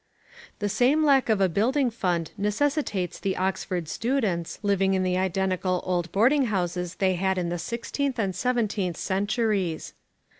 The same lack of a building fund necessitates the Oxford students, living in the identical old boarding houses they had in the sixteenth and seventeenth centuries.